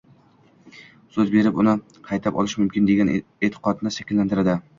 so‘z berib, uni qaytib olish mumkin, degan eʼtiqodni shakllantiradi.